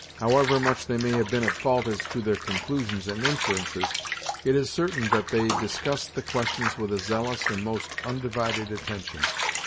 However much they may have been at fault as to their conclusions and inferences, it is certain that they discussed the questions with a zealous and most undivided attention.